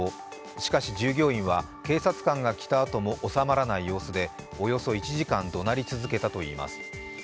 しかし、従業員は警察官が来たあとも収まらない様子でおよそ１時間どなり続けたといいます。